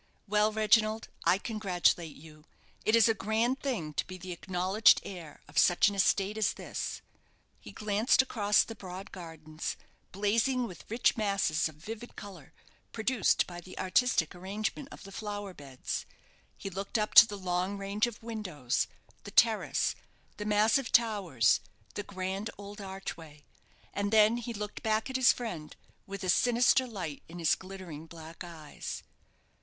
Well, Reginald, I congratulate you. It is a grand thing to be the acknowledged heir of such an estate as this." He glanced across the broad gardens, blazing with rich masses of vivid colour, produced by the artistic arrangement of the flower beds. He looked up to the long range of windows, the terrace, the massive towers, the grand old archway, and then he looked back at his friend, with a sinister light in his glittering black eyes.